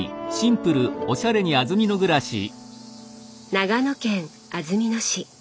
長野県安曇野市。